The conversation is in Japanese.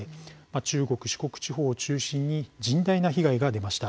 中国・四国地方を中心に甚大な被害が出ました。